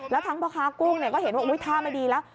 แล้วทั้งพ่อค้ากุ้งก็เห็นว่าท่าไม่ดีแล้ว